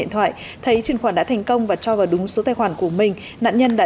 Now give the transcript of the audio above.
điện thoại thấy chuyển khoản đã thành công và cho vào đúng số tài khoản của mình nạn nhân đã